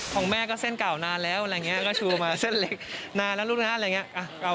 ของแม่ก็เส้นเก่านานแล้วอะไรอย่างนี้ก็ชูมาเส้นเล็กนานแล้วลูกนะอะไรอย่างนี้